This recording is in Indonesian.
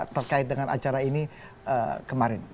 terkait dengan acara ini kemarin